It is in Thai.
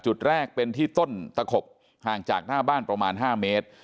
จุดแรกเป็นที่ต้นตะขบห่างจากหน้าบ้านประมาณ๕เมตร